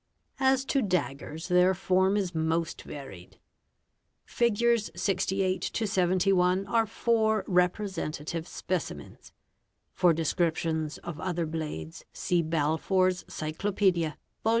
As to daggers their form is most varied. Migs. 68 to 71 are four representative specimens. For descriptions of other blades see Balfour's Cyclopedia, Vol.